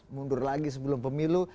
mundur lagi sebelum pemilu